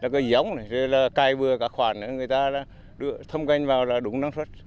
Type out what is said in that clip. cái giống này cái bừa cả khoản người ta đã thông canh vào là đúng năng suất